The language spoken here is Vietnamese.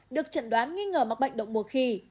được trận đoán nghi ngờ mắc bệnh động mùa khỉ